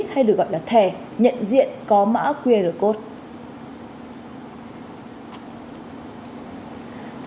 hay được gọi là thẻ nhận diện có mã qr code